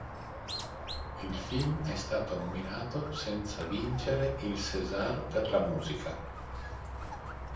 Il film è stato nominato senza vincere il César per la musica.